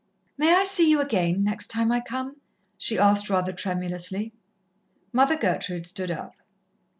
"May I see you again, next time I come?" she asked rather tremulously. Mother Gertrude stood up.